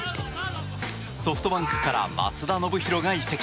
ソフトバンクから松田宣浩が移籍。